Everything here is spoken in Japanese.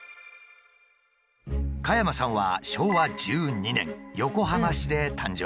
加山さんは昭和１２年横浜市で誕生。